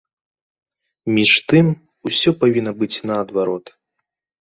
Між тым, усё павінна быць наадварот.